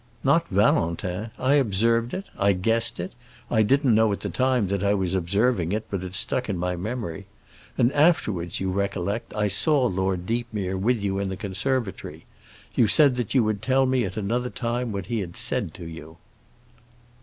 "Not Valentin. I observed it. I guessed it. I didn't know at the time that I was observing it, but it stuck in my memory. And afterwards, you recollect, I saw Lord Deepmere with you in the conservatory. You said then that you would tell me at another time what he had said to you."